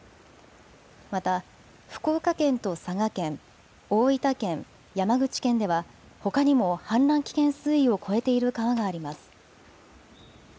また福岡県と佐賀県、大分県、山口県ではほかにも氾濫危険水位を超えている川があります。